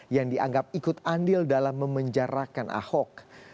yang dianggap ikut andil dalam memenjarakan ahok